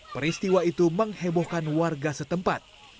peristiwa itu menghebohkan warga setempat